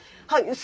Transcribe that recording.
はい。